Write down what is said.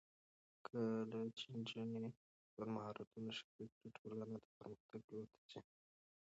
کله چې نجونې خپل مهارتونه شریک کړي، ټولنه د پرمختګ لور ته ځي.